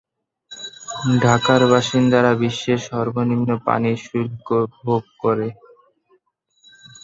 ঢাকার বাসিন্দারা বিশ্বের সর্বনিম্ন পানি শুল্ক ভোগ করে।